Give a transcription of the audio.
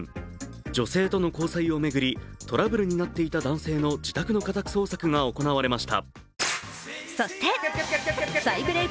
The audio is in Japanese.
女性との交際をめぐりトラブルになっていた男性の自宅の家宅捜索が行われました。